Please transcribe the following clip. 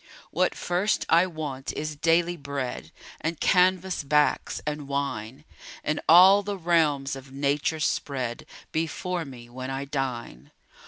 What first I want is daily bread And canvas backs, and wine And all the realms of nature spread Before me, when I dine.